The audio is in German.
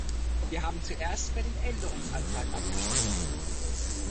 Wir haben zuerst über den Änderungsantrag abgestimmt.